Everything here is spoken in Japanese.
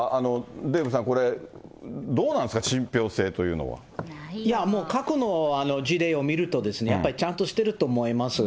デーブさん、これ、どうなんですもう過去の事例を見ると、やっぱりちゃんとしてると思います。